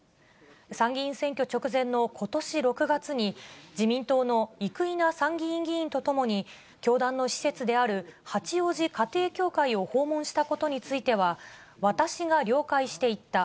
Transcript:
参議院選挙直前のことし６月に、自民党の生稲参議院議員と共に教団の施設である八王子家庭教会を訪問したことについては、私が了解して行った。